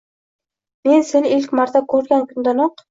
Men seni ilk marta ko’rgan kundanoq